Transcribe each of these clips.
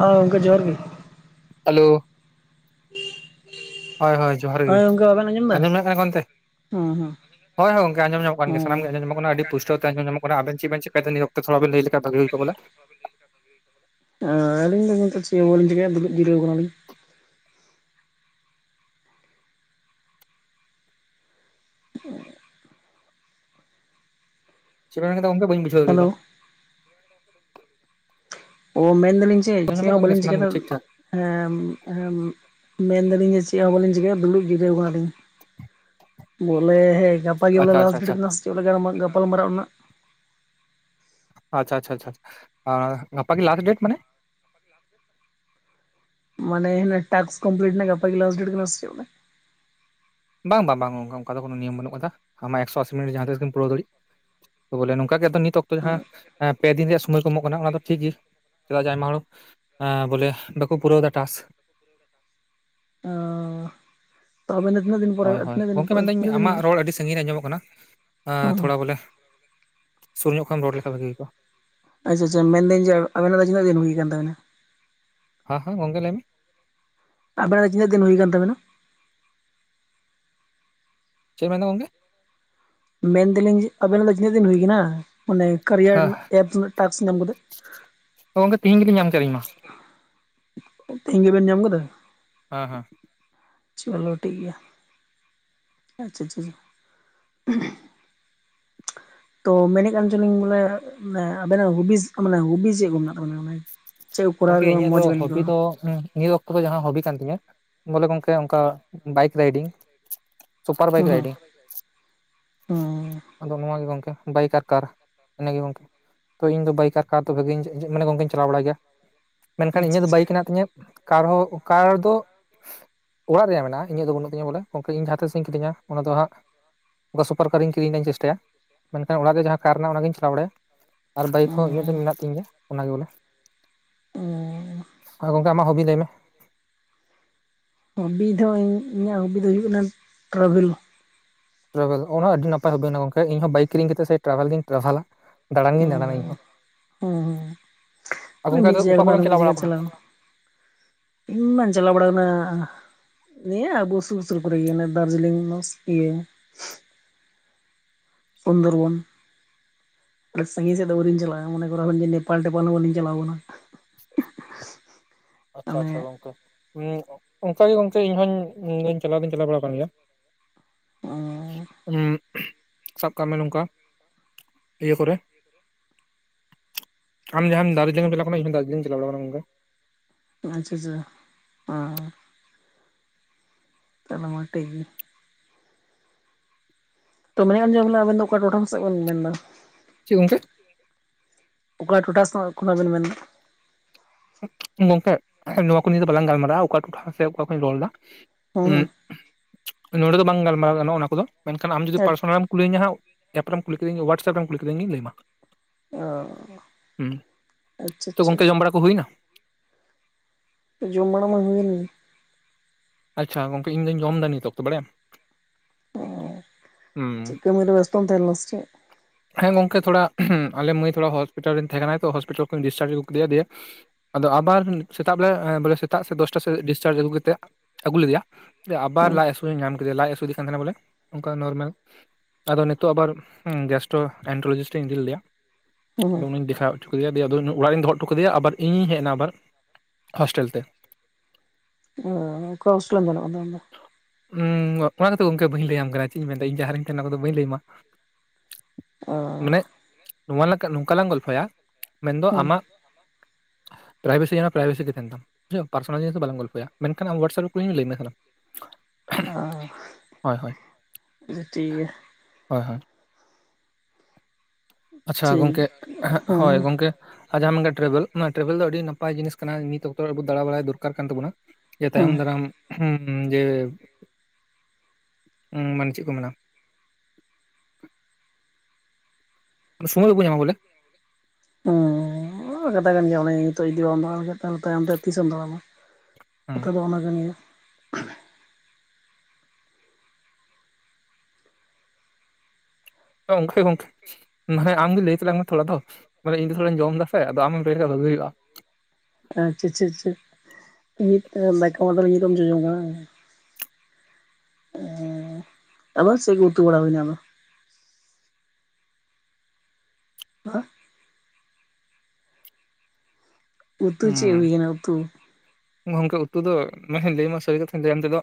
ᱟᱹ ᱜᱚᱝᱠᱮ ᱡᱚᱦᱟᱨ ᱜᱮ᱾ ᱦᱮᱞᱳ ᱾ ᱦᱳᱭ ᱦᱳᱭ ᱡᱚᱦᱟᱨ ᱜᱮ᱾ ᱜᱚᱝᱠᱮ ᱵᱟᱵᱮᱱ ᱮᱫᱟ ᱟᱸᱡᱚᱢ ᱧᱟᱢᱚᱜ ᱠᱟᱱ ᱚᱱᱛᱮ? ᱦᱩᱸ ᱦᱩᱸ ᱦᱳᱭ ᱦᱳᱭ ᱜᱚᱝᱠᱮ ᱟᱸᱡᱚᱢ ᱧᱟᱢᱚᱜ ᱠᱟᱱ ᱜᱮᱭᱟ ᱥᱟᱱᱟᱢ ᱜᱮ ᱟᱸᱡᱚᱢ ᱦᱩᱸ ᱧᱟᱢᱚᱜ [unintelligible] ᱟᱹᱰᱤ ᱯᱩᱥᱴᱟᱹᱣ ᱛᱮ ᱟᱸᱡᱚᱢ ᱧᱟᱢᱚᱜ ᱠᱟᱱᱟ ᱟᱵᱮᱱ ᱪᱮᱫ ᱵᱮᱱ ᱪᱮᱠᱟᱭᱮᱫᱟ ᱱᱤᱭᱟᱹ ᱚᱠᱛᱮ ᱛᱷᱳᱲᱟ ᱵᱮᱱ ᱞᱟᱹᱭ ᱞᱮᱠᱷᱟᱱ ᱵᱷᱟᱜᱤ ᱦᱩᱭ ᱠᱚᱜᱼᱟ ᱵᱚᱞᱮ ᱾ ᱮᱻ ᱟᱹᱞᱤᱧ ᱫᱚ ᱱᱤᱛᱚᱜ ᱪᱮᱫ ᱦᱚᱸ ᱵᱟᱹᱞᱤᱧ ᱪᱤᱠᱟᱹᱭᱟ ᱫᱩᱲᱩᱵ ᱡᱤᱨᱟᱹᱣ ᱟᱠᱟᱱᱟᱞᱤᱧ ᱾ [unintelligible] ᱥᱮᱫ ᱵᱮᱱ ᱢᱮᱱ ᱠᱮᱫᱟ ᱜᱚᱝᱠᱮ? ᱵᱟᱹᱧ ᱵᱩᱡᱷᱟᱹᱣ ᱦᱮᱞᱳ ᱫᱟᱲᱮᱣᱟᱫᱟ᱾ ᱚ ᱢᱮᱱᱫᱟᱞᱤᱧ ᱡᱮ ᱟᱸᱡᱚᱢ ᱪᱮᱫ ᱧᱟᱢᱚᱜ ᱦᱚᱸ ᱠᱟᱱ ᱜᱮᱭᱟ ᱵᱟᱹᱞᱤᱧ ᱥᱟᱱᱟᱢ ᱜᱮ ᱪᱤᱠᱟᱭᱫᱟ᱾ ᱴᱷᱤᱠ ᱴᱷᱟᱠ ᱦᱮᱸᱢ ᱦᱮᱸᱢ ᱢᱮᱱᱫᱟᱞᱤᱧ ᱡᱮ ᱪᱮᱫ ᱦᱚᱸ ᱵᱟᱹᱞᱤᱧ ᱪᱤᱠᱟᱹᱭᱟ ᱫᱩᱲᱩᱵ ᱜᱤᱨᱟᱹᱣ ᱟᱠᱟᱱᱟ ᱞᱤᱧ᱾ ᱵᱚᱞᱮ ᱦᱮᱸ ᱜᱟᱯᱟ ᱜᱮ ᱵᱚᱞᱮ ᱟᱪᱪᱷᱟ ᱞᱟᱥ ᱟᱪᱪᱷᱟ ᱰᱮᱴ ᱟᱪᱪᱷᱟ ᱠᱟᱱᱟ ᱥᱮ ᱪᱮᱫ ᱵᱚᱞᱮ ᱜᱟᱞ ᱜᱟᱯᱟᱞ ᱢᱟᱨᱟᱜ ᱨᱮᱱᱟᱜ? ᱟᱪᱪᱷᱟ ᱟᱪᱪᱷᱟ ᱟᱪᱪᱷᱟ ᱜᱟᱯᱟ ᱜᱮ ᱞᱟᱥᱴ ᱰᱮᱴ ᱢᱟᱱᱮ? ᱢᱟᱱᱮ [unintelligible] ᱴᱟᱥᱠ ᱠᱚᱢᱯᱞᱤᱴ ᱨᱮᱱᱟᱜ ᱜᱟᱯᱟ ᱜᱮ ᱞᱟᱥᱴ ᱰᱮᱴ ᱠᱟᱱᱟ ᱥᱮ ᱪᱮᱫ ᱵᱚᱞᱮ? ᱵᱟᱝ ᱵᱟᱝ ᱵᱟᱝ ᱚᱱᱠᱟ ᱫᱚ ᱱᱤᱭᱚᱢ ᱵᱟᱹᱱᱩᱜ ᱟᱠᱟᱫᱟ ᱟᱢᱟᱜ ᱮᱠᱥᱚ ᱟᱥᱤ ᱢᱤᱱᱤᱴ ᱡᱟᱦᱟᱸ ᱛᱤᱥ ᱜᱤᱢ ᱯᱩᱨᱟᱹᱣ ᱫᱟᱲᱮᱜ᱾ ᱵᱚᱞᱮ ᱱᱚᱝᱠᱟ ᱜᱮ ᱛᱚ ᱱᱤᱛ ᱚᱠᱛᱚ ᱡᱟᱦᱟᱸ ᱯᱮ ᱫᱤᱱ ᱨᱮᱭᱟᱜ ᱥᱳᱢᱳᱭ ᱠᱚ ᱮᱢᱚᱜ ᱠᱟᱱᱟ ᱚᱱᱟ ᱫᱚ ᱴᱷᱤᱠ ᱜᱮ ᱪᱮᱫᱟᱜ ᱡᱮ ᱟᱭᱢᱟ ᱦᱚᱲ ᱮᱻ ᱵᱚᱞᱮ ᱵᱟᱠᱚ ᱯᱩᱨᱟᱹᱣᱮᱫᱟ ᱴᱟᱥᱠ᱾ ᱚᱻ ᱦᱳᱭ ᱦᱳᱭ ᱜᱚᱢᱠᱮ ᱯᱚᱨᱮ ᱢᱮᱱᱫᱟᱹᱧ ᱛᱤᱱᱟᱹᱜ ᱫᱤᱱ ᱟᱢᱟᱜ ᱨᱚᱲ ᱟᱹᱰᱤ ᱥᱟᱺᱜᱤᱧ ᱨᱮ ᱟᱸᱡᱚᱢᱚᱜ ᱠᱟᱱᱟ, ᱛᱷᱚᱲᱟ ᱟᱪᱪᱷᱟ ᱵᱚᱞᱮ- ᱥᱩᱨ ᱧᱚᱜ ᱠᱷᱚᱡ ᱮᱢ ᱨᱚᱲ ᱞᱮᱠᱷᱟᱱ ᱵᱷᱟᱹᱜᱤ ᱦᱩᱭ ᱠᱚᱜᱼᱟ᱾ ᱟᱪᱪᱷᱟ ᱟᱪᱪᱷᱟ, ᱢᱮᱱᱟᱹᱧ ᱡᱮ ᱟᱵᱮᱱᱟᱜ ᱫᱚ ᱛᱤᱱᱟᱹᱜ ᱫᱤᱱ ᱦᱩᱭ ᱟᱠᱟᱱ ᱛᱟᱵᱮᱱᱟ? ᱦᱟᱸ ᱦᱟᱸ ᱜᱚᱢᱠᱮ ᱞᱟᱹᱭ ᱢᱮ᱾ ᱟᱵᱮᱱᱟᱜ ᱫᱚ ᱛᱤᱱᱟᱹᱜ ᱫᱤᱱ ᱦᱩᱭ ᱟᱠᱟᱱ ᱛᱟᱵᱮᱱᱟ? ᱪᱮᱫ ᱢᱮᱱᱫᱟ ᱜᱚᱢᱜᱮ? ᱢᱮᱱᱫᱟᱞᱤᱧ ᱡᱮ ᱟᱵᱮᱱᱱᱟᱜ ᱫᱚ ᱛᱤᱱᱟᱹᱜ ᱫᱤᱱ ᱦᱩᱭᱟᱠᱟᱱᱟ ᱢᱟᱱᱮ ᱠᱟᱨᱤᱭᱟ ᱦᱮᱸ ᱨᱮᱱᱟᱜ ᱮᱯᱥ ᱴᱟᱯᱥ ᱧᱟᱢ ᱠᱟᱛᱮ? ᱜᱚᱝᱠᱮ ᱛᱤᱦᱤᱧ ᱜᱮᱞᱤᱧ ᱧᱟᱢ ᱠᱮᱫᱟ ᱤᱧ ᱢᱟ ᱛᱮᱦᱤᱧ ᱜᱮᱵᱮᱱ ᱧᱟᱢ ᱠᱟᱫᱟ? ᱦᱮᱸ ᱦᱮᱸ᱾ ᱪᱚᱞᱳ ᱴᱷᱤᱠ ᱜᱮᱭᱟ ᱟᱪᱪᱷᱟ ᱟᱪᱪᱷᱟ᱾ ᱛᱚ ᱢᱮᱱᱮᱫ ᱠᱟᱱ ᱪᱱᱟᱤᱧ ᱵᱚᱞᱮ ᱟᱵᱮᱱᱟᱜ ᱦᱚᱵᱤ ᱢᱟᱱᱮ ᱦᱚᱵᱤ ᱪᱮᱫ ᱠᱚ ᱢᱮᱱᱟᱜ ᱛᱟᱵᱮᱱᱟ? ᱪᱮᱫ ᱠᱚᱨᱟᱣ ᱨᱮ ᱢᱚᱡᱽᱱ ᱵᱤᱱ ᱟᱹᱭᱠᱟᱹᱣᱟ? ᱦᱮᱸ ᱱᱤᱭᱟᱹ ᱚᱠᱛᱚ ᱫᱚ ᱡᱟᱦᱟᱸ ᱦᱚᱵᱤ ᱠᱟᱱ ᱛᱤᱧᱟᱹ ᱵᱚᱞᱮ ᱜᱚᱝᱠᱮ ᱚᱱᱠᱟ ᱵᱟᱭᱤᱠ ᱨᱟᱭᱰᱤᱝ᱾ ᱥᱩᱯᱟᱨ ᱵᱟᱭᱠ ᱦᱩᱸ ᱨᱟᱭᱰᱤᱝ᱾ ᱦᱩᱸ ᱦᱩᱸ ᱟᱫᱚ ᱱᱚᱣᱟ ᱜᱮ ᱜᱚᱢᱠᱮ ᱵᱟᱭᱠᱟᱨ ᱠᱟᱨ ᱤᱱᱟ ᱜᱮ ᱜᱚᱢᱠᱮ᱾ ᱛᱚ ᱤᱧ ᱵᱟᱭᱤᱠᱟᱨ ᱠᱷᱟ ᱫᱚ ᱵᱷᱟᱹᱜᱤᱧ ᱢᱟᱱᱮ ᱜᱚᱝᱠᱮᱧ ᱪᱟᱣ ᱵᱟᱲᱟᱭ ᱜᱮᱭᱟ᱾ ᱢᱮᱱᱠᱷᱟᱱ ᱟᱪᱪᱷᱟ ᱤᱧᱟᱹᱜ ᱫᱚ ᱟᱪᱪᱷᱟ ᱵᱟᱭᱤᱠ ᱦᱮᱸᱱᱟᱜ ᱛᱤᱧᱟᱹ ᱠᱟᱨᱦᱚᱸ ᱠᱟᱨ ᱫᱚ ᱚᱲᱟᱜ ᱨᱮᱭᱟᱜ ᱢᱮᱱᱟᱜᱼᱟ ᱤᱧᱟᱹᱜ ᱫᱚ ᱵᱟᱹᱱᱩᱜ ᱛᱤᱧᱟᱹ ᱵᱚᱞᱮ ᱜᱚᱢᱠᱮ ᱤᱧ ᱡᱟᱦᱟᱸᱛᱮᱤᱥ ᱤᱧ ᱠᱤᱨᱤᱧᱟ ᱚᱱᱟ ᱫᱚ ᱦᱟᱸᱜ ᱚᱱᱠᱟ ᱥᱩᱯᱟᱨ ᱠᱟᱨᱤᱧ ᱠᱤᱨᱤᱧ ᱨᱮᱱᱟᱜᱤᱧ ᱪᱮᱥᱴᱟᱭᱟ ᱢᱮᱱᱠᱷᱟᱱ ᱚᱲᱟᱜ ᱨᱮ ᱡᱟᱦᱟᱸ ᱠᱟᱨ ᱨᱮᱱᱟᱜ ᱚᱱᱟᱤᱧ ᱪᱟᱞᱟᱣ ᱵᱟᱲᱟᱭᱟ᱾ ᱟᱨ ᱵᱟᱭᱤᱠ ᱦᱚᱸ ᱤᱧᱟᱹᱜ ᱫᱚ ᱚᱸ ᱢᱮᱱᱟᱜ ᱛᱤᱧ ᱜᱮᱭᱟ ᱚᱱᱟᱜᱮ ᱵᱚᱞᱮ᱾ ᱚ᱾ ᱟᱨ ᱜᱚᱢᱠᱮ ᱟᱢᱟᱜ ᱦᱚᱸ ᱦᱚᱵᱤ ᱞᱟᱹᱭ ᱢᱮ᱾ ᱦᱚᱵᱤ ᱫᱚ ᱤᱧᱟᱹᱜ ᱦᱚᱵᱤ ᱫᱚ ᱦᱩᱭᱩᱜ ᱠᱟᱱᱟ ᱴᱨᱟᱵᱷᱮᱞ᱾ ᱴᱨᱟᱵᱷᱮᱞ ᱚᱱᱟ ᱟᱹᱰᱤ ᱱᱟᱯᱟᱭ ᱦᱩᱵᱤᱱᱟ ᱜᱚᱢᱠᱮ ᱤᱧ ᱦᱚᱸ ᱵᱟᱭᱤᱠ ᱠᱤᱨᱤᱧ ᱠᱟᱛᱮ ᱥᱮ ᱴᱨᱟᱵᱷᱮᱞ ᱜᱤᱧ ᱴᱨᱟᱵᱷᱮᱞᱟ᱾ ᱫᱟᱬᱟᱱ ᱜᱮᱧ ᱫᱟᱬᱟᱱ ᱤᱧ ᱦᱚᱸ᱾ ᱚ ᱚᱱᱮ ᱜᱚᱝᱠᱮ ᱢᱤᱫ ᱟᱫᱚ ᱚᱠᱟ ᱡᱟᱭᱜᱟ ᱠᱚᱨᱮᱢ ᱠᱟᱱᱟ ᱢᱤᱫ ᱵᱟᱲᱟ ᱡᱟᱭᱜᱟ ᱟᱠᱟᱱᱟ ᱪᱟᱞᱟᱣ᱾ ᱤᱧ ᱢᱟ ᱪᱟᱞᱟᱣ ᱵᱟᱲᱟᱣ ᱠᱟᱱᱟ ᱱᱤᱭᱟᱹ ᱟᱵᱚ ᱥᱩᱨ ᱥᱩᱨ ᱠᱚᱨᱮ ᱜᱮ ᱫᱟᱨᱡᱤᱞᱤᱝ ᱤᱭᱟᱹ ᱥᱩᱱᱫᱚᱨᱵᱚᱱ᱾ ᱟᱰᱤ ᱥᱟᱹᱜᱤᱧ ᱥᱮᱫ ᱫᱚ ᱵᱟᱞᱤᱧ ᱪᱟᱞᱟᱜᱼᱟ ᱢᱚᱱᱮ ᱠᱚ ᱱᱮᱯᱟᱞ ᱴᱮᱯᱟᱞ ᱦᱚᱸ ᱵᱟᱞᱤᱧ ᱪᱟᱞᱟᱣᱠᱟᱱᱟ᱾ ᱟᱪᱪᱷᱟ ᱟᱪᱪᱷᱟ ᱜᱚᱝᱠᱮ ᱚᱱᱠᱟᱜ ᱜᱮ ᱜᱚᱝᱠᱮ ᱤᱧᱦᱚᱧ ᱪᱟᱞᱟᱣ ᱫᱚᱧ ᱪᱟᱞᱟᱣ ᱵᱟᱲᱟ ᱟᱠᱟᱱ ᱜᱮᱭᱟ᱾ ᱚᱱᱮ ᱩᱸᱜ ᱥᱟᱵ ᱠᱟᱜ ᱢᱮ ᱱᱚᱝᱠᱟ ᱤᱭᱟᱹ ᱠᱚᱨᱮ ᱟᱢ ᱡᱟᱦᱟᱸᱢ ᱫᱟᱨᱡᱤᱞᱤᱝ ᱮᱢ ᱪᱟᱞᱟᱜ ᱠᱟᱱᱟ ᱫᱟᱨᱡᱤᱞᱤᱝ ᱪᱟᱞᱟ ᱵᱟᱲ ᱟᱠᱟᱱᱟ ᱜᱚᱢᱠᱮ᱾ ᱟᱪᱪᱷᱟ ᱟᱪᱪᱷᱟ ᱚ ᱛᱟᱦᱞᱮ ᱢᱟ ᱴᱷᱤᱠ ᱜᱮᱭᱟ᱾ ᱛᱚ ᱢᱮᱱᱮᱫ ᱠᱟᱱ ᱡᱮ ᱵᱚᱞᱮ ᱟᱵᱮᱱ ᱫᱚ ᱚᱠᱟ ᱴᱚᱴᱷᱟ ᱥᱮᱫ ᱵᱮᱱ ᱢᱮᱱᱫᱟ? ᱪᱮᱫ ᱜᱚᱝᱠᱮ? ᱚᱠᱟ ᱴᱚᱴᱷᱟ ᱥᱮ ᱠᱷᱚᱱᱟᱜ ᱵᱮᱱ ᱢᱮᱱ ᱫᱟ? ᱜᱚᱝᱠᱮ ᱱᱚᱣᱟ ᱠᱚ ᱱᱚᱣᱟ ᱱᱤᱭᱳ ᱫᱚ ᱵᱟᱞᱟᱝ ᱜᱟᱞᱢᱟᱨᱝᱼᱟ ᱚᱠᱟ ᱴᱚᱴᱷᱟ ᱥᱮ ᱚᱠᱟ ᱠᱷᱚᱱᱤᱧ ᱨᱚᱲ ᱫᱟ, ᱩᱸᱜ ᱦᱮᱸ ᱱᱚᱸᱰᱮ ᱫᱚ ᱵᱟᱝ ᱜᱟᱞ ᱢᱟᱨᱟᱣ ᱜᱟᱱᱚᱜ ᱚᱱᱟ ᱠᱚᱫᱚ ᱢᱮᱱᱠᱷᱟᱱ ᱟᱢ ᱡᱩᱫᱤ ᱦᱮᱸ ᱯᱟᱨᱥᱚᱱᱟᱞ ᱮᱢ ᱠᱩᱞᱤᱧᱟ ᱦᱟᱸᱜ ᱮᱯ ᱨᱮᱢ ᱠᱩᱞ ᱠᱮᱫᱤᱧ ᱜᱮ ᱚᱦᱟᱴᱥᱟᱯ ᱠᱩᱞᱤ ᱠᱮᱫᱤᱧ ᱜᱮ ᱞᱟᱹᱭ ᱟᱢᱟ᱾ ᱚ ᱟᱪᱪᱷᱟ ᱛᱚ ᱟᱪᱪᱷᱟ᱾ ᱜᱚᱝᱠᱮ ᱡᱚᱢ ᱵᱟᱲᱟ ᱠᱚ ᱦᱩᱭᱱᱟ? ᱡᱚᱢ ᱵᱟᱲᱟ ᱢᱟ ᱦᱩᱭ ᱮᱱ ᱜᱮ᱾ ᱟᱪᱪᱷᱟ ᱜᱚᱝᱠᱮ ᱤᱧ ᱫᱚᱧ ᱡᱚᱢ ᱫᱟ ᱱᱤᱛ ᱛᱚ ᱵᱟᱲᱭᱟᱢ? ᱚ ᱦᱩᱸ ᱪᱮᱫ ᱠᱟᱹᱢᱤᱨᱮ ᱵᱮᱥᱛᱚ ᱛᱟᱦᱮᱱ ᱞᱮᱱᱟ ᱥᱮᱪᱮᱫ? ᱦᱮᱸ ᱜᱚᱝᱠᱮ ᱛᱷᱚᱲᱟ ᱟᱞᱮ ᱢᱟᱹᱭ ᱛᱷᱚᱲᱟ ᱦᱚᱥᱯᱤᱴᱟᱞ ᱨᱮ ᱛᱟᱦᱮᱸ ᱠᱟᱱᱟ ᱛᱚ ᱦᱚᱥᱯᱤᱴᱟᱞ ᱠᱷᱚᱱᱤᱧ ᱰᱤᱥᱪᱟᱨᱡᱽ ᱟᱹᱜᱩ ᱠᱮᱫᱮᱭᱟ ᱫᱤᱭᱮ ᱟᱫᱚ ᱟᱵᱟᱨ ᱥᱮᱛᱟᱸᱜ ᱵᱮᱲᱟ ᱵᱚᱞᱮ ᱥᱮᱛᱟᱜ ᱥᱮ ᱫᱚᱥᱴᱟ ᱥᱮᱫ ᱰᱤᱥᱪᱟᱨᱡᱽ ᱟᱹᱜᱩ ᱠᱟᱛᱮᱜ ᱟᱹᱜᱩ ᱞᱮᱫᱮᱭᱟ ᱟᱵᱟᱨ ᱞᱟᱸᱡ ᱦᱟᱹᱥᱩ ᱧᱟᱢ ᱠᱮᱫᱮᱭᱟ ᱞᱟᱸᱡ ᱦᱟᱹᱥᱩ ᱤᱫᱤ ᱠᱟᱱ ᱛᱟᱦᱮᱸᱱᱟ ᱵᱚᱞᱮ ᱚᱱᱠᱟ ᱱᱚᱨᱢᱮᱞ ᱟᱫᱚ ᱱᱤᱛᱳᱜ ᱟᱵᱟᱨ ᱜᱮᱥᱴᱚ ᱮᱱᱴᱨᱳᱡᱤᱥᱤᱴ ᱤᱧ ᱤᱫᱤ ᱞᱮᱫᱭᱟ ᱦᱮᱸ ᱟᱫᱚ ᱩᱱᱤᱧ ᱫᱮᱠᱷᱟᱣ ᱠᱮᱫᱮᱭᱟ ᱫᱮᱭᱟ ᱟᱫᱚ ᱩᱱᱟᱜ ᱚᱲᱟᱜ ᱨᱤᱧ ᱫᱚᱦᱚᱜᱴᱚ ᱠᱮᱫᱮ ᱟᱵᱟᱨ ᱤᱧᱤᱧ ᱦᱮᱡ ᱮᱱᱟ ᱟᱵᱟᱨ ᱦᱳᱥᱴᱮᱞ ᱛᱮ᱾ ᱦᱮ ᱚᱠᱟ ᱷᱳᱥᱴᱮᱞ ᱮᱢ ᱛᱟᱦᱮᱱᱟ ᱟᱫᱚ? ᱩᱻ ᱚᱱᱟ ᱠᱚᱫᱚ ᱜᱚᱢᱠᱮ ᱵᱟᱹᱧ ᱞᱟᱹᱭ ᱟᱢ ᱠᱟᱱᱟ ᱪᱮᱜ ᱤᱧ ᱢᱮᱱᱫᱟ ᱤᱧ ᱡᱟᱦᱟᱸ ᱨᱤᱧ ᱛᱟᱦᱮᱱᱟ ᱚᱱᱟ ᱠᱚᱫᱚ ᱵᱟᱹᱧ ᱞᱟᱹᱭ ᱟᱢᱟ᱾ ᱚ ᱟᱹᱡ ᱱᱚᱣᱟ ᱞᱮᱠᱟ ᱱᱚᱝᱠᱟ ᱞᱟᱝ ᱜᱚᱞᱯᱷᱚᱭᱟ ᱢᱮᱱ ᱫᱚ ᱚ ᱦᱮᱸ ᱟᱢᱟᱜ ᱯᱨᱟᱭᱵᱷᱮᱥᱤ ᱡᱮᱱᱚ ᱯᱨᱟᱭᱵᱷᱮᱥᱤ ᱜᱮ ᱛᱟᱦᱮᱱ ᱛᱟᱢ᱾ ᱯᱟᱨᱥᱚᱱᱟᱞ ᱡᱤᱱᱤᱥ ᱫᱚ ᱵᱟᱞᱟᱝ ᱜᱚᱞᱯᱷᱚᱭᱟ ᱢᱮᱱᱠᱷᱟᱱ ᱟᱢ ᱳᱣᱟᱴᱥᱟᱯ ᱨᱮ ᱠᱩᱞᱤᱧ ᱢᱮ ᱞᱟᱹᱭ ᱟᱢᱟ ᱥᱟᱱᱟᱢ᱾ ᱟᱦ ᱦᱳᱭ ᱦᱳᱭ ᱟᱪᱪᱷᱟ ᱴᱷᱤᱠ ᱜᱮᱭᱟ᱾ ᱦᱳᱭ ᱦᱳᱭ ᱟᱪᱪᱷᱟ ᱴᱷᱤᱠ ᱜᱚᱝᱠᱮ ᱦᱮᱸ ᱦᱳᱭ ᱜᱚᱝᱠᱮ ᱡᱟᱦᱟᱱ ᱜᱮ ᱴᱨᱮᱵᱮᱞ ᱚᱱᱟ ᱴᱨᱮᱵᱮᱞ ᱫᱚ ᱟᱹᱰᱤ ᱱᱟᱯᱟᱭ ᱡᱤᱱᱤᱥ ᱠᱟᱱᱟ ᱱᱤᱛ ᱚᱠᱛᱚ ᱟᱵᱩ ᱫᱟᱲᱟ ᱵᱟᱲᱟᱭ ᱫᱚᱨᱠᱟᱨ ᱠᱟᱱ ᱛᱟᱵᱚᱱᱟ᱾ ᱡᱮ ᱦᱮᱸ ᱛᱟᱭᱚᱢ ᱫᱟᱨᱟᱢ ᱡᱮ ᱢᱟᱱᱮ ᱪᱮᱜ ᱠᱚ ᱢᱮᱱᱟ ᱥᱳᱢᱳᱭ ᱵᱟᱠᱚ ᱧᱟᱢ ᱵᱚᱞᱮ᱾ ᱦᱮᱸ ᱠᱟᱛᱷᱟ ᱠᱟᱱ ᱜᱮᱭᱟ ᱱᱮᱜᱮ ᱱᱤᱛᱚᱜ ᱡᱩᱫᱤ ᱦᱚ [unintelligible] ᱮᱛᱚᱢ ᱛᱟᱭᱚᱢ ᱛᱮ ᱛᱤᱥᱮᱢ ᱫᱟᱲᱟ᱾ ᱦᱮᱸ ᱠᱟᱛᱷᱟ ᱫᱚ ᱚᱱᱟ ᱠᱟᱱ ᱜᱤᱭᱟ᱾ ᱜᱚᱝᱠᱮ ᱜᱚᱝᱠᱮ ᱢᱮᱱᱠᱦᱟᱡ ᱟᱢ ᱡᱩᱫᱤ ᱮᱠᱞᱟ ᱜᱤᱢ ᱛᱚᱲ ᱟᱛᱚ ᱵᱚᱞᱮ ᱛᱤᱥ ᱦᱤᱞᱤᱜ ᱤᱧ ᱡᱚᱢ ᱫᱟᱥᱮ ᱟᱫᱚ ᱟᱢ ᱞᱟᱹᱭ ᱞᱮᱠᱷᱟᱱ [unintelligible] ᱟᱪᱪᱷᱟ ᱪᱮᱜ ᱪᱮᱜ ᱱᱤᱛ ᱢᱟᱛᱠᱚᱢ ᱢᱚᱫᱚᱞᱤ ᱠᱚᱢ ᱡᱚᱢᱟ [unintelligible] [inaudible] ᱩᱛᱩ ᱪᱮᱜ ᱦᱩᱭ ᱠᱟᱱᱟ ᱩᱛᱩ᱾ ᱜᱚᱢᱠᱮ ᱩᱛᱩ ᱫᱚ ᱢᱮᱱᱠᱷᱟᱱ ᱞᱟᱹᱭ ᱢᱟ ᱥᱟᱹᱨᱤ ᱠᱟᱛᱷᱟᱧ ᱞᱟᱹᱭᱟ ᱛᱟᱭᱚᱢ ᱛᱮᱫᱚ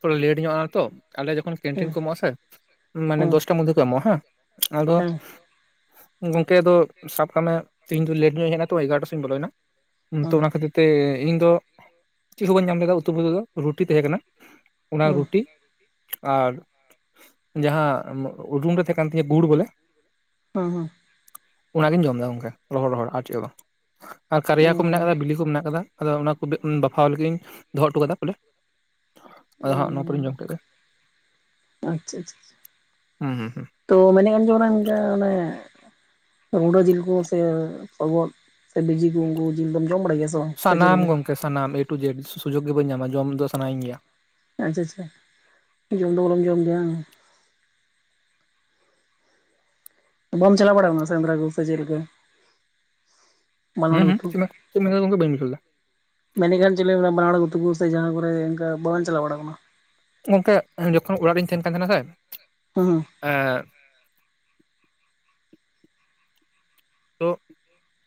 ᱯᱚᱨᱮ ᱞᱮᱴ ᱧᱚᱜ ᱟ ᱛᱚ ᱟᱞᱮ ᱡᱚᱠᱷᱚᱱ ᱦᱮᱸ ᱠᱮᱱᱴᱨᱤᱱ ᱠᱚ ᱮᱢᱚᱜᱼᱟ ᱥᱮ ᱢᱟᱱᱮ ᱦᱮᱸ ᱫᱚᱥᱴᱟ ᱢᱚᱫᱽᱫᱷᱮ ᱠᱚ ᱮᱢᱚᱜᱼᱟ ᱦᱮ ᱟᱫᱚ ᱦᱮᱸ ᱜᱚᱝᱠᱮ ᱟᱫᱚ ᱥᱟᱵ ᱠᱟᱜ ᱢᱮ ᱛᱤᱦᱤᱝ ᱫᱚ ᱞᱮᱴ ᱧᱚᱜ ᱤᱧ ᱦᱮᱡ ᱮᱱᱟ ᱛᱚ ᱮᱜᱟᱨᱚᱴᱟ ᱥᱮᱜ ᱤᱧ ᱵᱚᱞᱚᱭᱮᱱᱟ ᱛᱚ ᱚᱱᱟ ᱠᱷᱟᱹᱛᱤᱨ ᱮ ᱤᱧ ᱫᱚ ᱪᱤᱜ ᱦᱚ ᱵᱟᱹᱧ ᱧᱟᱢ ᱞᱮᱫᱟ ᱩᱛᱩ ᱯᱷᱩᱛᱩ ᱫᱚ ᱨᱩᱴᱤ ᱛᱮᱦᱮ ᱠᱟᱱᱟ᱾ ᱚᱱᱟ ᱦᱮᱸ ᱨᱩᱴᱤ, ᱟᱨ ᱡᱟᱦᱟᱸ ᱨᱩᱢ ᱨᱮ ᱛᱮᱦᱮ ᱠᱟᱱ ᱛᱤᱧᱟᱹ ᱜᱩᱲ ᱵᱚᱞᱮ ᱚ ᱦᱚᱸ ᱚᱱᱟᱜᱤᱧ ᱡᱚᱢ ᱫᱟ ᱜᱚᱝᱠᱮ ᱨᱚᱦᱚᱲ ᱨᱚᱦᱚᱲ ᱟᱨ ᱪᱮᱜ ᱜᱮ ᱵᱟᱝ ᱟᱨ ᱠᱟᱨᱭᱟ ᱠᱚ ᱦᱮᱸ ᱢᱮᱱᱟᱜ ᱠᱟᱫᱟ ᱵᱤᱞᱤ ᱠᱚ ᱢᱮᱱᱟᱜ ᱠᱟᱫᱚ ᱟᱫᱚ ᱚᱱᱟ ᱠᱩ ᱜᱮ ᱵᱟᱯᱷᱟᱣ ᱞᱟᱹᱜᱤᱜ ᱤᱧ ᱫᱚᱦᱚᱜ ᱴᱩ ᱠᱟᱫᱟ ᱵᱚᱞᱮ, ᱦᱮᱸ ᱟᱫᱚ ᱦᱟᱸᱜ ᱱᱚᱣᱟ ᱯᱚᱨᱮᱧ ᱡᱚᱢ ᱠᱮᱫᱮ ᱟᱪᱪᱷᱟ ᱟᱪᱪᱷᱟ ᱦᱩᱸ ᱦᱩᱸ ᱦᱩᱸ᱾ ᱛᱚ ᱢᱮᱱᱮᱜ ᱠᱟᱱ ᱡᱮ ᱚᱱᱟ ᱜᱚᱝᱠᱮ ᱚᱱᱮ ᱜᱩᱰᱟᱹ ᱡᱤᱞ ᱠᱚ ᱥᱮ ᱥᱚᱜᱚᱫ ᱥᱮ ᱵᱤᱡᱤ ᱠᱚ ᱩᱱᱠᱩ ᱡᱤᱞ ᱫᱚᱢ ᱡᱚᱢ ᱵᱟᱲᱟᱭ ᱜᱮᱭᱟ ᱥᱮ ᱵᱟᱝ? ᱥᱮ ᱪᱮᱫ ᱥᱟᱱᱟᱢ ᱞᱮᱠᱟ ᱜᱚᱝᱠᱮ ᱥᱟᱱᱟᱢ ᱮ ᱴᱩ ᱡᱮᱰ ᱥᱩᱡᱳᱜᱽ ᱜᱮ ᱵᱟᱹᱧ ᱧᱟᱢᱟ ᱡᱚᱢ ᱫᱚ ᱥᱟᱱᱟᱭᱤᱧ ᱜᱮᱭᱟ᱾ ᱟᱪᱪᱷᱟ ᱟᱪᱪᱷᱟ ᱡᱚᱢ ᱫᱚ ᱵᱚᱨᱚᱢ ᱡᱚᱢ ᱜᱮᱭᱟ ᱦᱟᱝ᱾ ᱵᱟᱢ ᱪᱟᱞᱟᱣ ᱵᱟᱲᱟᱣ ᱠᱟᱱᱟ ᱥᱮᱸᱫᱽᱨᱟ ᱡᱤᱞ ᱥᱮ ᱡᱮᱞ ᱜᱮ ᱦᱩᱸ ᱦᱩᱸ ᱪᱮᱜ ᱮᱢ ᱢᱮᱱ ᱪᱮᱜ ᱮᱢ ᱢᱮᱱᱫᱟ ᱜᱚᱝᱠᱮ ᱵᱟᱹᱧ ᱵᱩᱡᱷᱟᱣ ᱞᱮᱫᱟ᱾ ᱢᱮᱱᱮᱠᱷᱟᱱ ᱡᱮᱞᱮ ᱵᱟᱱᱟ ᱦᱚᱲ ᱛᱩᱠᱩ ᱠᱩ ᱥᱮ ᱡᱟᱦᱟᱸ ᱠᱚᱨᱮ ᱤᱱᱠᱟ ᱵᱟᱝ ᱪᱟᱞᱟᱣ ᱵᱟᱲᱟ ᱠᱟᱱᱟ? ᱜᱚᱝᱠᱮ ᱡᱚᱠᱷᱚᱱ ᱚᱲᱟᱜ ᱨᱤᱧ ᱛᱮᱦᱮᱱ ᱠᱟᱱ ᱛᱮᱦᱮᱸᱱᱟ ᱥᱮ ᱦᱩᱸ ᱦᱩᱸ ᱮᱸᱻ ᱛᱚ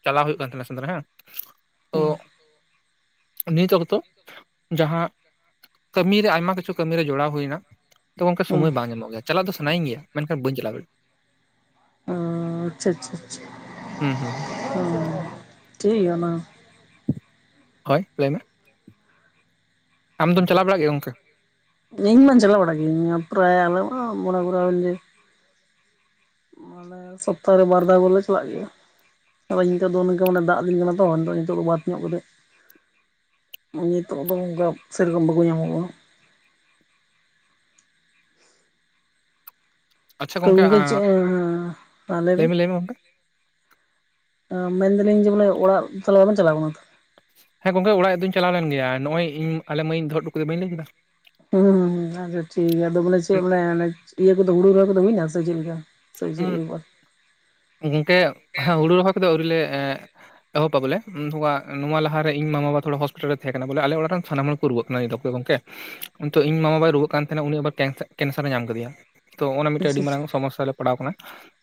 ᱪᱟᱞᱟᱣ ᱦᱩᱭᱩᱜ ᱠᱟᱱ ᱛᱟᱦᱮᱱᱟ ᱥᱮᱫᱽᱨᱟ ᱦᱮᱸ [inaudible] ᱛᱚ ᱦᱩᱸ ᱱᱤᱛ ᱚᱠᱛᱚ ᱡᱟᱦᱟᱸ ᱠᱟᱹᱢᱤᱨᱮ ᱟᱭᱢᱟ ᱠᱤᱪᱷᱩ ᱠᱟᱹᱢᱤᱨᱮ ᱡᱚᱲᱟᱣ ᱦᱩᱭᱱᱟ, ᱛᱚ ᱜᱚᱢᱠᱮ ᱦᱩᱸ ᱥᱚᱢᱚᱭ ᱵᱟᱝ ᱧᱟᱢᱚᱜ ᱜᱮᱭᱟ ᱪᱟᱞᱟᱜ ᱫᱚ ᱥᱟᱱᱟᱧ ᱜᱮᱭᱟ ᱢᱮᱱᱠᱷᱟᱱ ᱵᱟᱹᱧ ᱪᱟᱞᱟᱣ ᱫᱟᱲᱭᱟᱜ-ᱟ, ᱚᱸᱻ ᱟᱪᱪᱷᱟ ᱟᱪᱪᱷᱟ ᱟᱪᱷᱟ᱾ ᱦᱩᱸᱻᱦᱩᱸ᱾ [unintelligible] ᱴᱷᱤᱠ ᱜᱮᱭᱟ ᱚᱱᱟ ᱦᱚᱸ᱾ ᱦᱳᱭ ᱞᱟᱹᱭ ᱢᱮ, ᱟᱢᱫᱚᱢ ᱪᱟᱞᱟᱣ ᱵᱟᱲᱟᱜ ᱜᱮᱭᱟ ᱜᱚᱢᱠᱮ? ᱤᱧ ᱢᱟ ᱪᱟᱞᱟᱣ ᱵᱟᱲᱟᱜ ᱜᱮᱭᱤᱧ ᱯᱨᱟᱭ ᱟᱞᱮ ᱚᱱᱟ ᱠᱚᱨᱮ [unintelligible] ᱢᱟᱱᱮ ᱥᱚᱯᱛᱟᱦᱚᱨᱮ ᱵᱟᱨ ᱫᱷᱟᱣ ᱵᱚᱞᱮ ᱪᱟᱞᱟᱜ ᱜᱮᱭᱟ᱾ ᱟᱫᱚ ᱱᱤᱛᱳ ᱫᱚ ᱱᱚᱝᱠᱟ ᱢᱟᱱᱮ ᱫᱟᱜ ᱫᱤᱱ ᱠᱟᱱᱟ ᱛᱚ ᱱᱤᱛᱚᱜ ᱱᱤᱛᱚᱜ ᱫᱚ ᱵᱟᱫ ᱧᱚᱜ ᱠᱟᱛᱮᱫ, ᱱᱤᱛᱚᱜ ᱫᱚ ᱚᱱᱠᱟ ᱥᱮᱨᱚᱠᱚᱢ ᱵᱟᱠᱚ ᱧᱟᱢᱚᱜ-ᱟ, ᱟᱪᱪᱷᱟ ᱛᱚ ᱜᱚᱝᱠᱮ ᱪᱮᱫ ᱟᱸ ᱦᱮᱸ ᱞᱟᱹᱭ ᱵᱤᱱ, ᱢᱮ ᱢᱮ ᱜᱚᱝᱠᱮ ᱢᱮᱱ ᱮᱫᱟᱞᱤᱧ ᱡᱮ ᱵᱚᱞᱮ ᱚᱲᱟᱜ ᱛᱟᱦᱞᱮ ᱵᱟᱵᱤᱱ ᱪᱟᱞᱟᱣ ᱟᱠᱟᱱᱟ ᱛᱚ, ᱦᱮᱸ ᱜᱚᱝᱠᱮ ᱚᱲᱟᱜ ᱫᱚᱧ ᱪᱟᱞᱟᱣ ᱞᱮᱱ ᱜᱮᱭᱟ ᱱᱚᱜ-ᱚᱭ ᱤᱧ ᱟᱞᱮ ᱢᱟᱹᱭ ᱤᱧ ᱫᱚᱦᱚ ᱦᱚᱴᱩ ᱠᱟᱫᱮᱭᱟ ᱵᱟᱹᱧ ᱞᱟᱹᱭ ᱠᱮᱫᱟ᱾ ᱦᱩᱸ ᱦᱩᱸ ᱦᱩᱸ ᱟᱪᱪᱷᱟ ᱴᱷᱤᱠ ᱜᱮᱭᱟ ᱫᱚ ᱵᱚᱞᱮ ᱪᱮᱫ ᱟᱱᱮ ᱤᱭᱟᱹ ᱠᱚᱫᱚ ᱦᱩᱲᱩ ᱨᱚᱦᱚᱭ ᱠᱚᱫᱚ ᱦᱩᱭᱱᱟ ᱥᱮ ᱪᱮᱫᱞᱮᱠᱟ? ᱩᱸᱜ [unintelligible] ᱜᱚᱝᱠᱮ ᱦᱩᱲᱩ ᱨᱚᱦᱚᱭ ᱠᱚᱫᱚ ᱟᱹᱣᱨᱤ ᱞᱮ ᱮᱸᱜ ᱮᱛᱚᱦᱚᱵᱟ ᱵᱚᱞᱮ ᱱᱚᱣᱟ ᱞᱟᱦᱟ ᱨᱮ ᱤᱧ ᱢᱟ ᱵᱟᱵᱟ ᱛᱷᱚᱲᱟ ᱦᱚᱥᱯᱤᱴᱟᱞ ᱨᱮ ᱛᱟᱦᱮᱸ ᱠᱟᱱᱟ ᱵᱚᱞᱮ ᱟᱞᱮ ᱚᱲᱟᱜ ᱨᱮᱱ ᱥᱟᱱᱟᱢ ᱦᱚᱲ ᱠᱚ ᱨᱩᱣᱟᱹᱜ ᱠᱟᱱᱟ ᱜᱚᱝᱠᱮ ᱤᱧ ᱢᱟᱢᱟ ᱵᱟᱭ ᱨᱩᱣᱟᱹᱜ ᱠᱟᱱ ᱛᱟᱦᱮᱸᱱᱟ ᱩᱱᱤ ᱟᱨᱦᱚᱸ ᱠᱮᱱᱥᱟᱨ ᱮ ᱧᱟᱢ ᱟᱠᱟᱫᱮᱭᱟ, ᱛᱚ ᱚᱱᱟ ᱢᱤᱫᱴᱮᱱ ᱟᱹᱰᱤ ᱟᱪᱪᱷᱟ ᱢᱟᱨᱟᱝ ᱟᱪᱪᱷᱟ ᱥᱚᱢᱚᱥᱥᱟ ᱨᱮᱞᱮ ᱯᱟᱲᱟᱣ ᱟᱠᱟᱱᱟ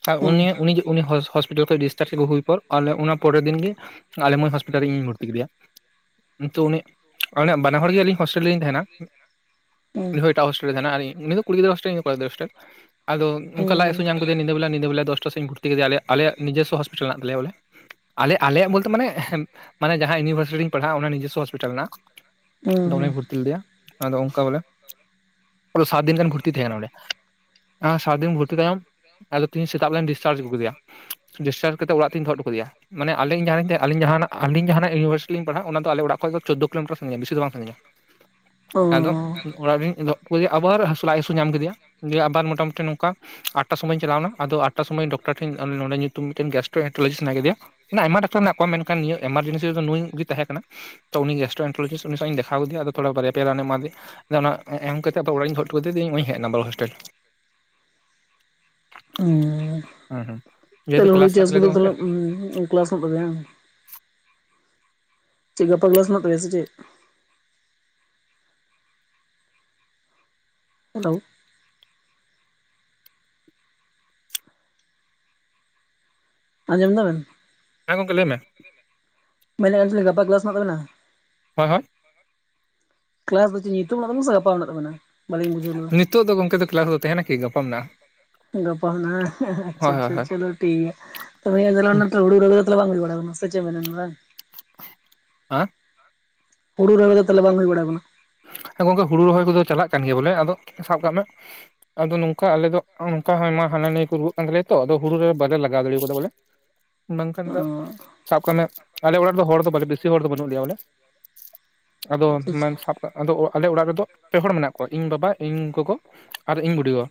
ᱟᱨ ᱦᱩᱸ ᱩᱱᱤ ᱡᱮ ᱩᱱᱤ ᱦᱚᱥ ᱦᱚᱯᱤᱴᱟᱞ ᱠᱷᱚᱡ ᱰᱤᱥᱪᱟᱨᱡᱽ ᱟᱹᱜᱩ ᱦᱩᱭ ᱯᱚᱨ ᱟᱞᱮ ᱚᱱᱟ ᱯᱚᱨᱮᱨ ᱫᱤᱱ ᱜᱮ ᱟᱞᱮ ᱢᱟᱹᱭ ᱦᱚᱥᱯᱤᱴᱟᱞ ᱨᱤᱧ ᱵᱷᱚᱨᱛᱤ ᱠᱮᱫᱮᱭᱟ ᱛᱚ ᱱᱤᱛᱚᱜ ᱩᱱᱤ ᱵᱟᱱᱟ ᱦᱚᱲ ᱜᱮ ᱟᱹᱞᱤᱧ ᱦᱳᱥᱴᱮᱞ ᱨᱮᱞᱤᱧ ᱛᱟᱦᱮᱱᱟ [inaudible] ᱦᱩᱸ ᱩᱱᱤ ᱦᱚᱸ ᱮᱴᱟᱜ ᱦᱳᱴᱮᱞ ᱨᱮ ᱛᱟᱦᱮᱱᱟ ᱟᱨ ᱤᱧ ᱠᱩᱲᱤ ᱜᱤᱫᱽᱨᱟᱹ ᱦᱳᱥᱴᱮᱞ ᱥᱮ ᱠᱚᱲᱟ ᱜᱤᱫᱽᱨᱟ ᱦᱳᱥᱴᱮᱞ ᱟᱫᱚ ᱚᱱᱠᱟ ᱞᱟᱡ ᱦᱟᱹᱥᱩ ᱦᱩᱸ ᱧᱟᱢ ᱠᱮᱫᱮᱭᱟ ᱧᱤᱫᱟᱹ ᱵᱮᱞᱟ ᱧᱤᱫ ᱵᱮᱞᱟ ᱫᱚᱥᱴᱟ ᱥᱮᱫ ᱤᱧ ᱵᱷᱩᱨᱛᱤ ᱠᱮᱫᱮᱭᱟ ᱟᱞᱮ ᱱᱤᱡᱚᱥᱥᱚ ᱦᱚᱥᱯᱤᱴᱟᱞ ᱢᱮᱱᱟᱜ ᱛᱟᱞᱭᱟ ᱵᱚᱞᱮ, ᱟᱞᱮ ᱟᱞᱮᱭᱟᱜ ᱵᱚᱞᱛᱮ ᱢᱟᱱᱮ ᱡᱟᱦᱟᱸ ᱤᱭᱩᱱᱤᱵᱷᱟᱨᱥᱤᱴᱤ ᱨᱤᱧ ᱯᱟᱲᱦᱟᱜ-ᱟ ᱚᱱᱟ ᱱᱤᱡᱚᱥᱥᱚ ᱦᱚᱥᱯᱤᱴᱟᱞ ᱦᱮᱱᱟᱜ-ᱟ᱾ ᱦᱩᱸ ᱟᱫᱚ ᱚᱱᱮᱧ ᱵᱷᱚᱨᱛᱤ ᱞᱮᱫᱮᱭᱟ ᱟᱫᱚ ᱚᱱᱠᱟ ᱵᱚᱞᱮ ᱯᱩᱨᱟᱹ ᱥᱟᱛ ᱫᱤᱱ ᱜᱟᱱ ᱵᱷᱚᱨᱛᱤ ᱛᱟᱦᱮᱸᱱ ᱠᱟᱱᱟ ᱚᱸᱰᱮ ᱥᱟᱛ ᱫᱤᱱ ᱵᱷᱚᱨᱛᱤ ᱛᱟᱭᱚᱢ ᱟᱫᱚ ᱛᱤᱦᱤᱧ ᱥᱮᱛᱟᱜ ᱞᱮᱱ ᱟᱹᱜᱩ ᱠᱮᱫᱮᱭᱟ ᱰᱤᱥᱪᱟᱨ ᱠᱟᱛᱮᱜ ᱚᱲᱟᱜ ᱛᱮᱧ ᱫᱚᱦᱚ ᱦᱚᱴᱚ ᱠᱟᱫᱮᱭᱟ ᱟᱞᱤᱧ ᱡᱟᱦᱟᱸ ᱞᱤᱧ ᱛᱟᱦᱮᱱᱟ ᱢᱟᱱᱮ ᱟᱹᱞᱤᱧ ᱡᱟᱦᱟᱱᱟᱜ ᱤᱩᱭᱤᱱᱤᱵᱷᱟᱨᱥᱤᱴᱤ ᱞᱤᱧ ᱯᱟᱲᱦᱟᱜ ᱚᱱᱟ ᱟᱞᱮ ᱚᱲᱟᱜ ᱠᱷᱚᱱᱟᱜ ᱫᱚ ᱪᱳᱫᱽᱫᱳ ᱠᱤᱞᱳᱢᱤᱴᱟᱨ ᱥᱟᱺᱜᱤᱧᱟ ᱵᱮᱥᱤ ᱫᱚ ᱵᱟᱝ ᱥᱟᱺᱜᱤᱧᱟ ᱦᱩᱸ ᱚ ᱟᱫᱚ ᱚᱲᱟᱜ ᱨᱮᱱ ᱩᱱᱤ ᱟᱵᱟᱨ ᱦᱟᱹᱥᱩ ᱞᱟᱡ ᱦᱟᱹᱥᱩ ᱧᱟᱢ ᱠᱮᱫᱮᱭᱟ ᱫᱤᱭᱮ ᱟᱵᱟᱨ ᱢᱚᱴᱟᱢᱩᱴᱤ ᱱᱚᱝᱠᱟ ᱟᱴᱴᱟ ᱥᱚᱢᱚᱭ ᱤᱧ ᱪᱟᱞᱟᱣᱱᱟ ᱟᱫᱚ ᱟᱴᱴᱟ ᱟᱴᱴᱟ ᱥᱚᱢᱚᱭ ᱰᱚᱠᱴᱟᱨ ᱴᱷᱮᱱ ᱱᱚᱰᱮ ᱧᱩᱛᱩᱢ ᱢᱤᱫᱴᱮᱱ [unintelligible] ᱥᱟᱱᱟ ᱠᱮᱫᱮᱭᱟ ᱢᱟᱱᱮ ᱟᱭᱢᱟ ᱰᱟᱠᱛᱟᱨ ᱢᱮᱱᱟᱜ ᱠᱚ ᱢᱮᱱᱠᱷᱟᱱ ᱱᱤᱭᱟᱹ ᱮᱢᱟᱨᱡᱮᱱᱥᱤ ᱨᱮᱫᱚ ᱱᱩᱭ ᱛᱟᱦᱮᱸ ᱠᱟᱱᱟ ᱛᱚ ᱩᱱᱤ ᱜᱮᱥᱴᱨᱳ ᱮᱱᱴᱨᱚᱞᱚᱡᱤᱥᱴ ᱩᱱᱤ ᱥᱟᱶ ᱤᱧ ᱫᱮᱠᱷᱟᱣ ᱠᱮᱫᱮ ᱟᱫᱚ ᱛᱷᱚᱲᱟ ᱵᱟᱨᱭᱟ ᱯᱮ ᱨᱟᱱᱮ ᱮᱢᱟ ᱫᱮᱭᱟ, ᱟᱫᱚ ᱚᱱᱟ ᱮᱢ ᱠᱟᱛᱮ ᱟᱨ ᱚᱲᱟᱜ ᱤᱧ ᱫᱚᱦᱚ ᱦᱚᱴᱚ ᱠᱮᱫᱮᱛᱮ ᱤᱧ ᱦᱮᱡ ᱮᱱᱟ ᱵᱚᱞᱮ ᱦᱳᱥᱴᱮᱞ᱾ [inaudible] ᱚᱸᱻ ᱦᱩᱸ ᱦᱩᱸ [inaudible] ᱡᱮᱦᱮᱛᱩ ᱛᱟᱦᱞᱮ ᱦᱩᱲᱩ ᱠᱞᱟᱥ ᱢᱮᱱᱟᱜ ᱪᱟᱥ ᱛᱟᱞᱮᱭᱟ ᱛᱚ ᱠᱚᱫᱚ ᱜᱚᱝᱠᱮ ᱛᱟᱦᱞᱮ ᱠᱮᱞᱟᱥᱚᱜ ᱛᱟᱹᱵᱤᱱᱟ᱾ ᱪᱮᱫ ᱜᱟᱯᱟ ᱠᱮᱞᱟᱥ ᱢᱮᱱᱟᱜ ᱛᱟᱯᱮᱭᱟ ᱥᱮ ᱪᱮᱫ? ᱦᱮᱞᱳ᱾ ᱟᱸᱡᱚᱢ ᱮᱫᱟ ᱵᱤᱱ? ᱦᱮᱸ ᱜᱚᱢᱠᱮ ᱞᱟᱹᱭ ᱢᱮ᱾ ᱢᱮᱱᱮᱫ [unintelligible] ᱜᱟᱯᱟ ᱠᱮᱞᱟᱥ ᱢᱮᱱᱟᱜ ᱛᱟᱵᱤᱱᱟ? ᱦᱳᱭ ᱦᱳᱭ᱾ ᱠᱮᱞᱟᱥ ᱫᱚ ᱪᱮᱫ ᱱᱤᱛᱚᱜ ᱢᱮᱱᱟᱜ ᱛᱟᱵᱱᱟ ᱥᱮ ᱜᱟᱯᱟ ᱢᱮᱱᱟᱜ ᱛᱟᱵᱚᱱᱟ ᱵᱟᱞᱤᱧ ᱵᱩᱡᱷᱟᱹᱣ ᱞᱮᱫᱟ ᱱᱤᱛᱚᱜ ᱫᱚ ᱜᱚᱝᱠᱮ ᱫᱚ ᱠᱮᱞᱟᱥ ᱫᱚ ᱛᱟᱦᱮᱱᱟ ᱠᱤ ᱜᱟᱯᱟ ᱢᱮᱱᱟᱜᱼᱟ ᱜᱟᱯᱟ ᱦᱩᱭᱩᱜ ᱟ ᱵᱟᱝ ᱟᱪᱷᱟ ᱦᱳᱭ ᱦᱳᱭ ᱟᱪᱷᱟ ᱦᱳᱭ ᱪᱚᱞᱚ ᱦᱩᱸ [unintelligible] ᱟ ᱦᱩᱲ ᱨᱚᱦᱚᱭ ᱫᱚ ᱛᱟᱦᱞᱮ ᱵᱟᱝ ᱦᱩᱭ ᱵᱟᱲᱟ ᱠᱟᱱᱟ? ᱦᱮᱸ ᱜᱚᱝᱠᱮ ᱦᱩᱲᱩ ᱨᱚᱦᱚᱭ ᱠᱚᱫᱚ ᱪᱟᱞᱟᱜ ᱠᱟᱱ ᱜᱮᱭᱟ ᱵᱚᱞᱮ ᱟᱫᱚ ᱥᱟᱵ ᱠᱟᱜ ᱢᱮ ᱟᱫᱚ ᱱᱚᱝᱠᱟ ᱟᱞᱮ ᱫᱚ ᱱᱚᱝᱠᱟ ᱟᱭᱢᱟ ᱦᱟᱱᱟ ᱱᱤᱭᱟ. ᱠᱚ ᱨᱩᱣᱟᱹᱜ ᱠᱟᱱ ᱛᱟᱞᱮᱭᱟ ᱛᱚ ᱟᱫᱚ ᱦᱩᱲᱩ ᱨᱚᱦᱚᱭ ᱵᱟᱞᱮ ᱞᱟᱜᱟᱣ ᱫᱟᱲᱮ ᱠᱟᱫᱟ ᱵᱚᱞᱮ ᱵᱟᱝᱠᱷᱟᱱ ᱚ ᱫᱚ ᱥᱟᱵ ᱠᱟᱜ ᱢᱮ ᱟᱞᱮ ᱚᱲᱟᱜ ᱨᱮ ᱦᱚᱲ ᱫᱚ ᱵᱮᱥᱤ ᱦᱚᱲ ᱫᱚ ᱵᱟᱹᱱᱩᱜ ᱞᱮᱭᱟ ᱵᱚᱞᱮ ᱟᱫᱚ ᱟᱪᱪᱷᱟ ᱢᱮᱱ ᱟᱪᱪᱷᱟ ᱥᱟᱯ ᱟᱫᱚ ᱟᱞᱮ ᱚᱲᱟᱜ ᱨᱮᱫᱚ ᱯᱮ ᱦᱚᱲ ᱢᱮᱱᱟᱜ ᱠᱚᱣᱟ ᱤᱧ ᱵᱟᱵᱟ ᱤᱧ ᱜᱚᱜᱚ ᱟᱨ ᱤᱧ ᱵᱩᱰᱤ ᱜᱚ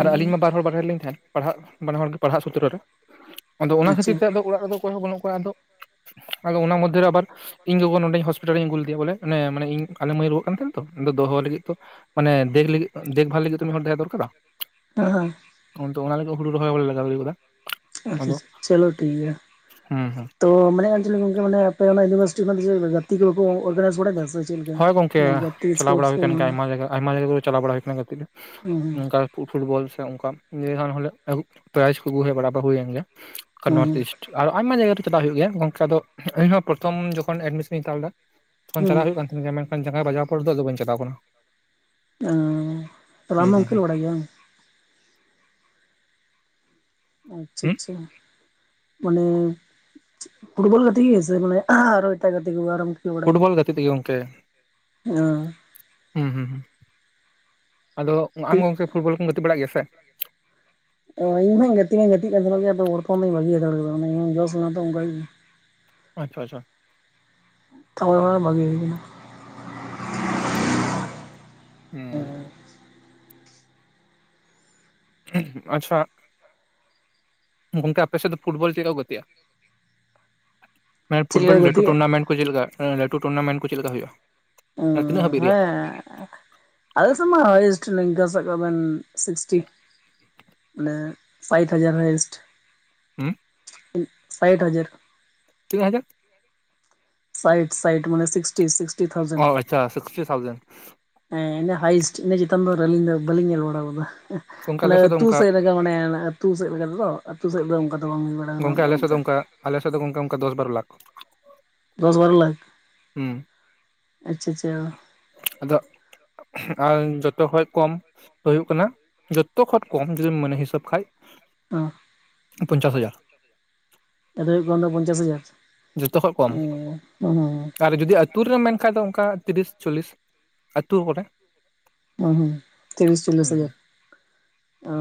ᱟᱨ ᱟᱹᱞᱤᱧ ᱢᱟ ᱵᱟᱨ ᱦᱚᱲ ᱵᱟᱨᱦᱮ ᱨᱮ ᱞᱤᱧ ᱛᱟᱦᱮᱸᱱ ᱯᱟᱲᱦᱟᱜ ᱵᱟᱱᱟ ᱦᱚᱲ ᱜᱮ ᱯᱟᱲᱦᱟᱜ ᱥᱩᱛᱨᱚ ᱨᱮ ᱾ ᱟᱫᱚ ᱚᱱᱟ ᱟᱪᱪᱷᱟ ᱠᱷᱟᱹᱛᱤᱨ ᱛᱮ ᱟᱫᱚ ᱚᱲᱟᱜ ᱨᱮᱫᱚ ᱚᱠᱚᱭ ᱦᱚᱸ ᱵᱟᱹᱱᱩᱜ ᱠᱚᱣᱟ ᱟᱫᱚ ᱟᱫᱚ ᱚᱱᱟ ᱢᱚᱫᱽᱫᱷᱮ ᱨᱮ ᱟᱵᱟᱨ ᱤᱧ ᱜᱚᱜᱚ ᱱᱚᱰᱮ ᱦᱚᱥᱯᱤᱴᱟᱞ ᱨᱤᱧ ᱟ. ᱜᱩ ᱞᱮᱫᱮᱭᱟ ᱵᱚᱞᱮ ᱚᱱᱮ ᱢᱟᱱᱮ ᱤᱧ ᱟᱞᱮ ᱢᱟᱹᱭ ᱮ ᱨᱩᱣᱟᱹᱜ ᱠᱟᱱ ᱛᱟᱦᱮᱸᱱ ᱛᱚ ᱟᱫᱚ ᱫᱚᱦᱚ ᱞᱟᱹᱜᱤᱫ ᱛᱚ ᱢᱟᱱᱮ ᱫᱮ ᱫᱮᱠ ᱵᱷᱟᱞ ᱞᱟᱹᱜᱤᱫ ᱛᱮᱢ ᱦᱚᱲ ᱛᱟᱦᱮᱸ ᱫᱚᱨᱠᱟᱨᱟ ᱾ ᱦᱮᱸ ᱟᱫᱚ ᱚᱱᱟ ᱞᱟᱹᱜᱤᱫ ᱦᱩᱲᱩ ᱨᱚᱦᱚᱭ ᱵᱟᱞᱮ ᱞᱟᱜᱟᱣ ᱫᱟᱲᱮ ᱠᱟᱫᱟ ᱟᱪᱪᱷᱟ ᱟᱫᱚ ᱟᱪᱪᱷᱟ ᱪᱚᱞᱳ ᱴᱷᱤᱠ ᱜᱮᱭᱟ ᱦᱩᱸ ᱦᱩᱸ ᱾ ᱛᱚ ᱢᱮᱱᱮᱜ ᱟᱞᱤᱧ ᱜᱚᱝᱠᱮ ᱢᱟᱱᱮ ᱟᱯᱮ ᱚᱱᱟ ᱤᱭᱩᱱᱤᱵᱷᱟᱨᱥᱤᱴᱤ ᱠᱷᱚᱱ ᱡᱮ ᱜᱟᱛᱮ ᱠᱚ ᱵᱟᱠᱚ ᱚᱨᱜᱟᱱᱟᱭᱤᱡ ᱵᱟᱲᱟᱭᱮᱫ ᱥᱮ? ᱪᱮᱫ ᱦᱳᱭ ᱜᱚᱝᱠᱮ ᱞᱮᱠᱟ ᱜᱟᱛᱮ ᱪᱟᱞᱟᱣ ᱵᱟᱲᱟ ᱥᱯᱳᱨᱴᱥ ᱦᱩᱭ ᱠᱚ ᱠᱟᱱ ᱜᱮᱭᱟ ᱦᱩᱸ ᱟᱭᱢᱟ ᱡᱟᱭᱜᱟ ᱟᱭᱢᱟ ᱡᱟᱭᱜᱟ ᱠᱚ ᱪᱟᱞᱟᱣ ᱵᱟᱲᱟ ᱦᱩᱭ ᱠᱟᱱᱟ ᱠᱟ. ᱴᱤᱡ ᱨᱮ ᱦᱩᱸ ᱱᱚᱝᱠᱟ ᱯᱷᱩᱴᱵᱚᱞ ᱥᱮ ᱚᱱᱠᱟ ᱱᱤᱨᱚᱱ ᱦᱚᱞᱮ ᱯᱨᱟᱭᱤᱡ ᱠᱚ ᱟᱹᱜᱩ ᱵᱟᱲᱟ ᱦᱩᱭᱮᱱ ᱜᱮ ᱦᱩᱸ ᱱᱚᱨᱛᱷ ᱤᱥᱴ ᱟᱨ ᱟᱭᱢᱟ ᱡᱟᱭᱜᱟ ᱨᱮ ᱪᱟᱞᱟᱜ ᱦᱩᱭᱩᱜ ᱜᱮᱭᱟ ᱜᱚᱝᱠᱮ ᱫᱚ ᱤᱧᱦᱚᱸ ᱯᱨᱚᱛᱷᱚᱢ ᱡᱚᱠᱷᱚᱱ ᱮᱰᱢᱤᱥᱚᱱᱤᱧ ᱦᱟᱛᱟᱣ ᱞᱮᱫᱟ ᱾ ᱦᱩᱸ ᱛᱚᱠᱷᱚᱱ ᱦᱩᱸ ᱪᱟᱞᱟᱣ ᱦᱩᱭᱩᱜ ᱠᱟᱱ ᱛᱟᱦᱮᱱ ᱜᱮᱭᱟ ᱢᱮᱱᱠᱷᱟᱱ ᱡᱟᱸᱜᱟ ᱵᱟᱡᱟᱣ ᱯᱚᱨ ᱫᱚ ᱟᱫᱚ ᱵᱟᱧ ᱪᱟᱞᱟᱣ ᱠᱟᱱᱟ ᱚᱻ ᱦᱩᱸ ᱵᱟᱢ ᱦᱩᱸ ᱦᱩᱸ ᱠᱷᱮᱞ ᱵᱟᱲᱟᱭ ᱜᱮᱭᱟ ᱵᱟᱝ ᱾ ᱟᱪᱪᱷᱟ ᱦᱩᱸ ᱪᱷᱟ ᱢᱟᱱᱮ ᱯᱷᱩᱴᱵᱚᱞ ᱜᱟᱛᱮ ᱜᱮ ᱥᱮ ᱢᱟᱱᱮ ᱟᱨᱚ ᱮᱴᱟ ᱜᱟᱛᱮ ᱠᱚ ᱟᱨ? ᱯᱷᱩᱴᱵᱚᱞ ᱜᱟᱛᱮᱜ ᱛᱮᱜᱮ ᱜᱚᱝᱠᱮ ᱜᱮᱭᱟ? ᱾ ᱦᱩᱸ ᱦᱩᱸ ᱦᱩᱸ ᱟᱫᱚ ᱟᱢ ᱜᱚᱝᱠᱮ ᱯᱷᱩᱴᱵᱚᱞ ᱠᱚᱢ ᱜᱟᱛᱮ ᱵᱟᱲᱟᱜ ᱜᱮᱭᱟ ᱥᱮ? ᱦᱚᱭ ᱤᱧ ᱢᱟᱹᱧ ᱜᱟᱛᱮᱜ ᱢᱟ ᱜᱟᱛᱮᱜ ᱠᱟᱱ ᱛᱟᱦᱮᱱᱟ ᱜᱮᱭᱟ ᱟᱫᱚ ᱵᱚᱨᱛᱚᱢᱟᱱ ᱫᱚᱧ ᱵᱷᱟᱹᱜᱤ ᱦᱟᱛᱟᱲ ᱠᱟᱫᱟᱧ ᱡᱚᱥ ᱮᱱᱟ ᱛᱚ ᱚᱱᱠᱟᱜᱮ ᱟᱪᱪᱷᱟ ᱟᱪᱷᱟ ᱛᱟᱯᱚᱨᱮ ᱵᱷᱟᱹᱜᱤ ᱦᱩᱭ ᱠᱟᱱᱟ ᱦᱮᱸ ᱟᱪᱪᱷᱟ ᱜᱚᱝᱠᱮ ᱟᱯᱮ ᱥᱮᱫ ᱫᱚ ᱯᱷᱩᱴᱵᱚᱞ ᱪᱮᱫ ᱠᱚ ᱜᱟᱛᱮᱜᱼᱟ ᱢᱮᱱ ᱪᱮᱫ ᱞᱮᱠᱟ ᱯᱷᱩᱴᱵᱚᱞ ᱠᱚ ᱞᱟᱹᱴᱩ ᱜᱟᱛᱮᱜᱼᱟ ᱴᱩᱱᱟᱢᱮᱱᱴ? ᱠᱚ ᱪᱮᱫ ᱞᱮᱠᱟ ᱞᱟᱹᱴᱩ ᱴᱩᱱᱟᱢᱮᱱ ᱠᱚ ᱪᱮᱫ ᱞᱮᱠᱟ ᱦᱩᱭᱩᱜᱼᱟ ᱩ ᱛᱤᱱᱟᱹᱜ ᱦᱟᱹᱵᱤᱡ ᱨᱮᱭᱟᱜ ᱦᱮᱸ ᱟᱞᱮ ᱥᱮᱫ ᱢᱟ ᱦᱟᱭᱮᱥᱴ ᱱᱤᱝᱠᱟᱹ ᱥᱟᱵ ᱠᱟᱜ ᱵᱮᱱ ᱥᱤᱠᱥᱴᱤ ᱢᱟᱱᱮ ᱯᱷᱟᱭᱤᱵ ᱦᱟᱡᱟᱨ ᱦᱟᱭᱮᱥᱴ ᱦᱩᱸ ᱥᱟᱭᱴ ᱦᱟᱡᱟᱨ ᱛᱤᱱᱟ. ᱜ ᱦᱟᱡᱟᱨ ᱥᱟᱭᱴ ᱥᱟᱭᱴ ᱢᱟᱱᱮ ᱥᱤᱠᱴᱤ ᱥᱤᱠᱴᱤ ᱚ ᱟᱪᱪᱷᱟ ᱥᱤᱠᱥᱴᱤ ᱛᱷᱟᱡᱮᱱᱰ ᱦᱮᱸ ᱤᱱᱟᱹ ᱦᱟᱭᱴ ᱤᱱᱟᱹ ᱪᱤᱛᱟᱱ ᱫᱚ ᱟᱹᱞᱤᱧ ᱫᱚ ᱵᱟᱞᱤᱧ ᱧᱮᱞ ᱵᱟᱲᱟᱣ ᱠᱟᱫᱟ ᱜᱚᱝᱠᱮ ᱢᱟᱱᱮ ᱟᱞᱮ ᱫᱚ ᱟᱹᱛᱩ ᱚᱱᱠᱟ ᱥᱮᱫ ᱨᱮᱜᱮ ᱢᱟᱱᱮ ᱟᱹᱛᱩ ᱥᱮᱫ ᱞᱮᱠᱟ ᱛᱮᱫᱚ ᱟᱹᱛᱩ ᱥᱮᱫ ᱫᱚ ᱚᱱᱠᱟ ᱫᱚ ᱵᱟᱝ [inaudible] ᱜᱚᱝᱠᱮ ᱟᱞᱮ ᱥᱮᱫ ᱫᱚ ᱚᱱᱛᱮ ᱚᱱᱠᱟ, ᱟᱞᱮ ᱥᱮᱫ ᱫᱚ ᱜᱚᱝᱠᱮ ᱚᱱᱠᱟ ᱫᱚᱥ ᱵᱟᱨᱚ ᱞᱟᱠᱷ᱾ ᱫᱚᱥ ᱵᱟᱨᱚ ᱞᱟᱠᱷ? ᱦᱩᱸ ᱟᱪᱪᱷᱟ ᱟᱪᱪᱷᱟ᱾ ᱟᱫᱚ, ᱟᱨ ᱡᱚᱛᱚ ᱠᱷᱚᱡ ᱠᱚᱢ ᱫᱚ ᱦᱩᱭᱩᱜ ᱠᱟᱱᱟ, ᱡᱚᱛᱚ ᱠᱷᱚᱱ ᱠᱚᱢ ᱡᱩᱚᱫᱤᱢ ᱢᱟᱱᱮ ᱦᱤᱥᱟᱹᱵ ᱠᱷᱟᱡ ᱚ᱾ ᱯᱚᱧᱪᱟᱥ ᱦᱟᱡᱟᱨ᱾ ᱡᱷᱚᱛᱚ ᱠᱷᱚᱡ ᱠᱚᱢ ᱫᱚ ᱯᱚᱧᱪᱟᱥ ᱦᱟᱡᱟᱨ? ᱡᱚᱛᱚ ᱠᱷᱚᱡ ᱠᱚᱢ ᱚ ᱦᱩᱸ ᱟᱨ ᱡᱩᱫᱤ ᱟ ᱛᱩ ᱨᱮᱢ ᱢᱮᱱ ᱠᱷᱟᱱᱡ ᱫᱚ ᱚᱱᱠᱟ ᱛᱤᱨᱤᱥ ᱪᱚᱞᱞᱤᱥ, ᱟᱹᱛᱩ ᱠᱚᱨᱮ᱾ ᱚ ᱦᱚᱸ ᱛᱨᱤᱥ ᱪᱚᱞᱞᱤᱥ ᱦᱟᱡᱟᱨ? ᱚ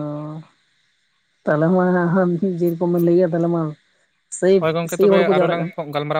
ᱛᱟᱞᱦᱮ ᱢᱟ ᱦᱟᱸ ᱡᱮᱨᱚᱠᱚᱢ ᱵᱮᱱ ᱞᱟᱹᱭ ᱠᱮᱜ-ᱟ ᱛᱟᱞᱦᱮ ᱢᱟ ᱥᱮᱭ ᱦᱳᱭ ᱜᱚᱝᱠᱮ ᱥᱮᱭ ᱛᱚᱵᱮ ᱦᱚᱲ ᱠᱚ ᱟᱨᱚ ᱡᱟᱣᱨᱟᱜ ᱞᱟᱝ ᱠᱟᱱᱟ? ᱜᱟᱞᱢᱟᱨᱟᱣ